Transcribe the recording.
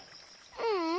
ううん。